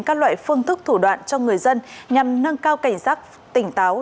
các loại phương thức thủ đoạn cho người dân nhằm nâng cao cảnh giác tỉnh táo